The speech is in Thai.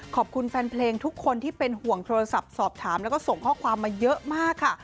ขอบคุณแฟนเพลงทุกคนที่เป็นห่วงโทรศัพท์สอบถามแล้วก็ส่งข้อความมาเยอะมากค่ะ